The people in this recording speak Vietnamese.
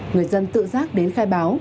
người dân tự giác đến khai báo